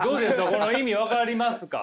この意味分かりますか？